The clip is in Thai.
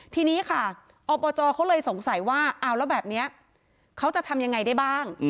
ทีนี้ค่ะอบจเขาเลยสงสัยว่าเอาแล้วแบบนี้เขาจะทำยังไงได้บ้าง